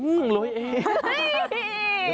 สำเร็จแอ